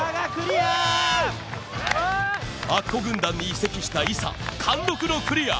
アッコ軍団に移籍した伊佐貫禄のクリア